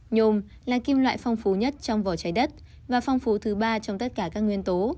nhôm là kim loại phong phú nhất trong vỏ trái đất và phong phú thứ ba trong tất cả các nguyên tố